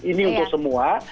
ini untuk semua